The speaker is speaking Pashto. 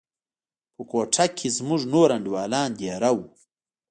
په کوټه کښې زموږ نور انډيوالان دېره وو.